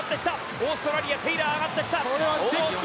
オーストラリア、テイラー上がってきた。